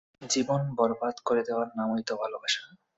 জীবন বরবাদ করে দেওয়ার নামইতো ভালোবাসা।